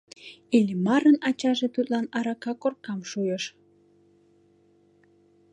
Иллимарын ачаже тудлан арака коркам шуйыш.